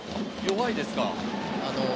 弱いですか？